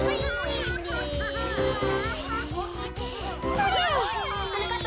それ！